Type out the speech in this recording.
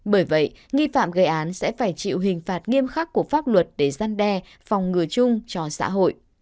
bởi vậy nghi phạm gây án sẽ phải chịu hình phạt nghiêm khắc của pháp luật để gian đe phòng ngừa chung cho xã hội